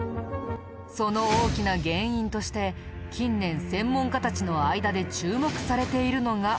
その大きな原因として近年専門家たちの間で注目されているのが。